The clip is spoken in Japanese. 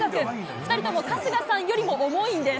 ２人とも春日さんよりも重いんです。